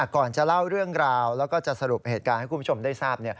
ก่อนจะเล่าเรื่องราวแล้วก็จะสรุปเหตุการณ์ให้คุณผู้ชมได้ทราบ